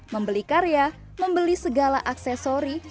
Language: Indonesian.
membeli karya membeli segala aksesori